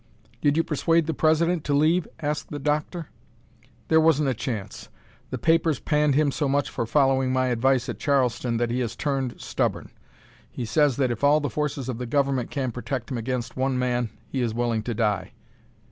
"Did you persuade the President to leave?" asked the doctor. "There wasn't a chance. The papers panned him so much for following my advice at Charleston that he has turned stubborn. He says that if all the forces of the government can't protect him against one man, he is willing to die."